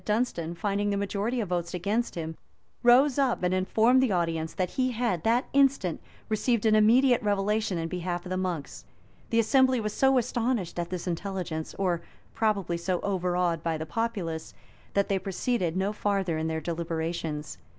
] In one synod, Dunstan, finding the majority of votes against him, rose up, and informed the audience, that he had that instant received an immediate revelation in behalf of the monks: the assembly was so astonished at this intelligence, or probably so overawed by the populace, that they proceeded no farther in their deliberations.